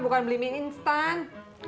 bukan beli mie instan